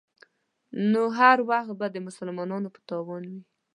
نو هر وخت به د مسلمان په تاوان وي.